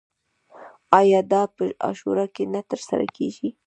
آیا دا په عاشورا کې نه ترسره کیږي؟